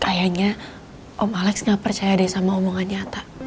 kayaknya om alex gak percaya deh sama omongan nyata